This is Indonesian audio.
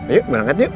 ayo berangkat yuk